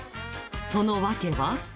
その訳は？